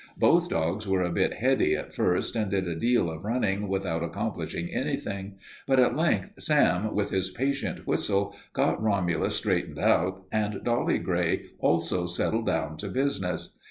Both dogs were a bit heady at first and did a deal of running without accomplishing anything, but at length Sam, with his patient whistle, got Romulus straightened out and Dolly Grey also settled down to business.